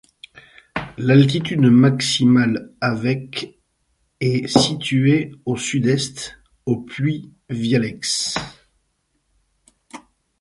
L'altitude maximale avec est située au sud-est, au puy Vialleix.